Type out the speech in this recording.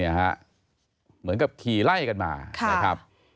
เหมือนกับขี่ไล่กันมา